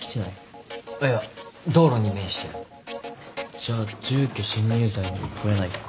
じゃあ住居侵入罪にも問えないか。